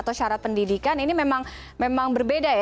halusnya kerajaannya sedang dengan pengelengkahan pemaid maid